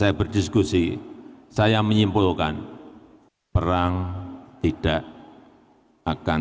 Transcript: satu lima jam saya berdiskusi saya menyimpulkan perang tidak akan segera selesai akan lama